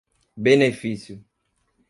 benefício